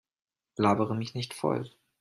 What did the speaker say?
Labere mich nicht voll.